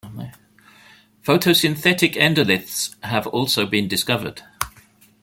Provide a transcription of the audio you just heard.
Photosynthetic endoliths have also been discovered.